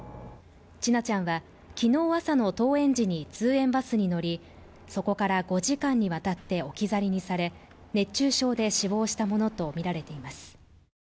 千奈ちゃんは、昨日朝の登園時に通園バスに乗りそこから５時間にわたって置き去りにされ熱中症で死亡したものとみられています。